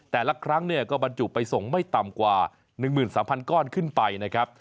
แต่ละครั้งเนี่ยก็บรรจุไปส่งไม่ต่ำกว่า๑๓๐๐ก้อนขึ้นไปนะครับ